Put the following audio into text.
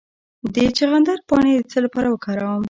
د چغندر پاڼې د څه لپاره وکاروم؟